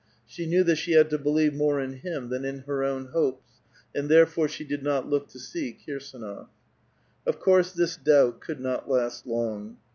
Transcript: She knew that she had to believe more in him than in her own hopes, and therefore she did not look to see Kirsdnof . Of couree this doubt could not last long.